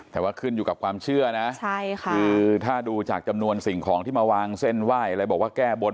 แต่ว่าขึ้นอยู่กับความเชื่อนะใช่ค่ะคือถ้าดูจากจำนวนสิ่งของที่มาวางเส้นไหว้อะไรบอกว่าแก้บน